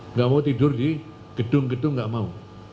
enggak mau tidur di gedung gedung enggak mau